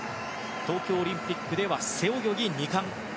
東京オリンピックでは背泳ぎ２冠。